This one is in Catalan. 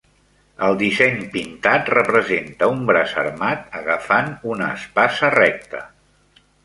El disseny pintat representa un braç armat agafant una espasa recta.